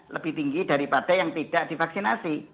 lebih tinggi daripada yang tidak divaksinasi